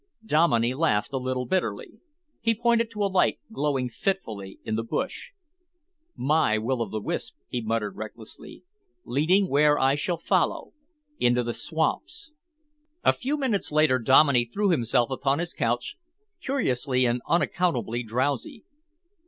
Dominey laughed a little bitterly. He pointed to a light glowing fitfully in the bush. "My will o' the wisp," he muttered recklessly, "leading where I shall follow into the swamps!" A few minutes later Dominey threw himself upon his couch, curiously and unaccountably drowsy.